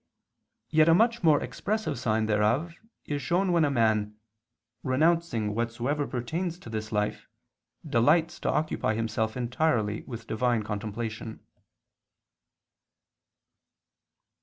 Yet a much more expressive sign thereof is shown when a man, renouncing whatsoever pertains to this life, delights to occupy himself entirely with Divine contemplation.